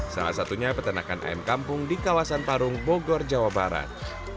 salah satunya peternakan ayam kampung di kawasan parung bogor jawa barat